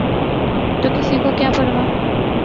تو کسی کو کیا پروا؟